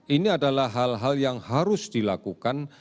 ini adalah hal hal yang harus dilakukan